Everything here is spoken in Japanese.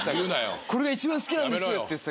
「これが一番好きなんです」って言ってたけど。